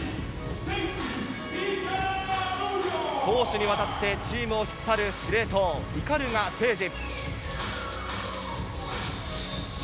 攻守にわたってチームを引っ張る司令塔・鵤誠司。